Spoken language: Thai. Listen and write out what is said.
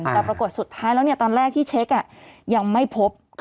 แต่ปรากฏสุดท้ายแล้วตอนแรกที่เช็คยังไม่พบ